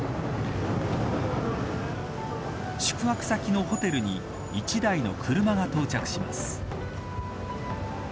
宿泊先のホテルに１台の車が到着します。